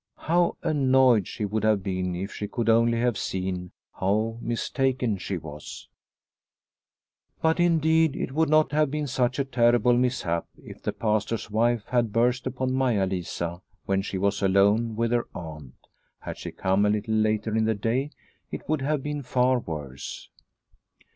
How annoyed she would have been if she could only have seen how mistaken she was. But indeed it would not have been such a terrible mishap if the Pastor's wife had burst upon Maia Lisa when she was alone with her aunt. Had she come a little later in the day, it would have been far worse.